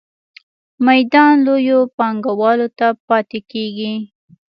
میدان لویو پانګوالو ته پاتې کیږي.